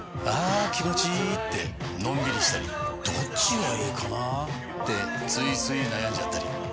あ気持ちいいってのんびりしたりどっちがいいかなってついつい悩んじゃったり。